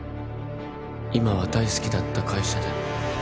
今は大好きだった会社で